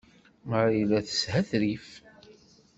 Marie la teshetrif!